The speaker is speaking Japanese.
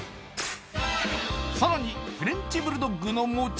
さらにフレンチ・ブルドッグのもち